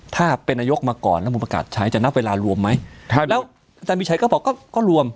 ถ้าเป็นนายกมาก่อนแล้วผมประกาศใช้จะนับเวลารวมไหมแล้วอาจารย์มีชัยก็บอกก็ก็รวม